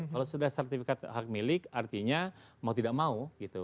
kalau sudah sertifikat hak milik artinya mau tidak mau gitu